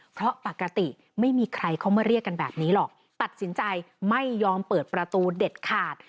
เพราะปกติไม่มีใครเขามาเรียกกันแบบนี้หรอกตัดสินใจไม่ยอมเปิดประตูเด็ดขาด